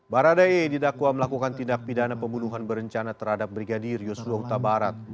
baradae didakwa melakukan tindak pidana pembunuhan berencana terhadap brigadir yusuf utabarat